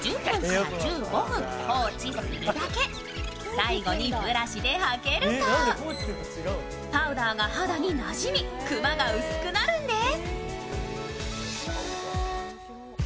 最後にブラシではけると、パウダーが肌になじみ、クマが薄くなるんです。